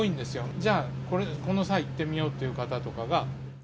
じゃあ、この際、行ってみようという方とかが。